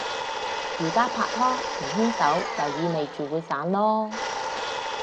而家拍拖，唔牽手就意味住會散囉